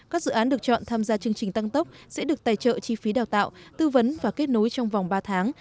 các dự án được chọn tham gia chương trình tăng tốc sẽ được tài trợ chi phí đào tạo tư vấn và kết nối trong vòng ba tháng